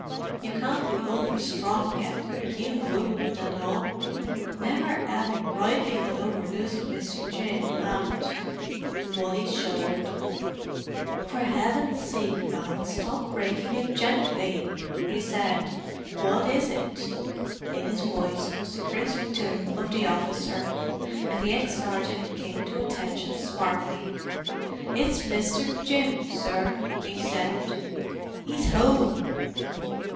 "You can't be over strong yet, and you wounded, and all; and never 'aving rightly got over losing Mr. Jim, and——" Wally shuddered. "For Heaven's sake, man, stop breaking it gently!" he said. "What is it?" In his voice was the crisp tone of the officer; and the ex sergeant came to attention smartly. "It's Mr. Jim, sir," he said. "'E's 'ome."